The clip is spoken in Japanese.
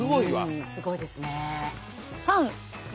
うんすごいですね。